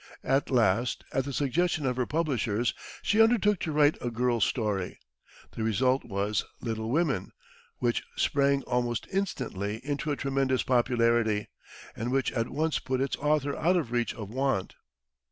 At last, at the suggestion of her publishers, she undertook to write a girls' story. The result was "Little Women," which sprang almost instantly into a tremendous popularity, and which at once put its author out of reach of want.